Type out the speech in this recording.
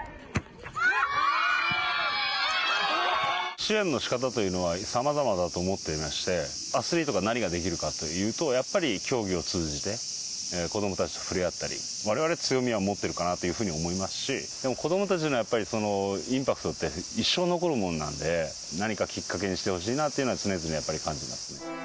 支援のしかたというのは、さまざまだと思っていまして、アスリートが何ができるかというと、やっぱり、競技を通じて、子どもたちと触れ合ったり、われわれ強みを持ってるかなというふうに思いますし、でも、子どもたちのやっぱり、インパクトって一生残るものなんで、何かきっかけにしてほしいなっていうのは、常々感じます。